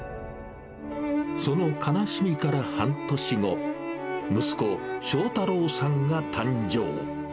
その悲しみから半年後、息子、章太朗さんが誕生。